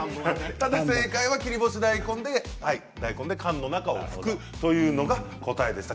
ただ正解は切り干し大根で缶の中を拭くというのが答えでした。